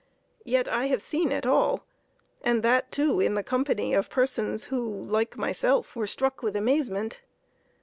Yet I have seen it all, and that, too, in the company of persons who, like myself, were struck with amazement.